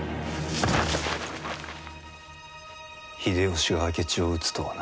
秀吉が明智を討つとはな。